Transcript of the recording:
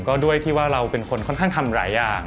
ก็ด้วยที่ว่าเราเป็นคนค่อนข้างทำหลายอย่าง